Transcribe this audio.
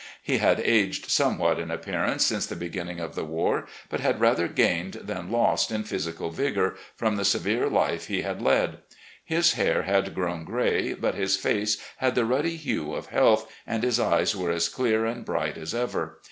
He had aged somewhat in appearance since the beginning of the war, but had rather gained than lost in physical vigour, from the severe life he had led. His hair had grown gray, but his face had the ruddy hue of health, and his eyes were as clear and bright as ever.